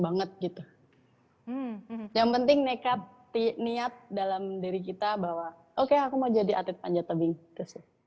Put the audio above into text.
banget gitu yang penting nekat niat dalam diri kita bahwa oke aku mau jadi atlet panjat tebing itu sih